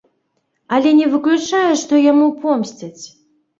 Але не выключаю, што яму помсцяць.